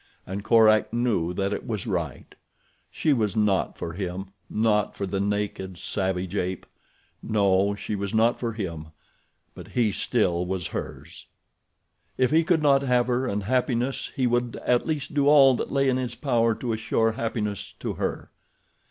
And Korak knew that it was right. She was not for him—not for the naked, savage ape. No, she was not for him; but he still was hers. If he could not have her and happiness, he would at least do all that lay in his power to assure happiness to her.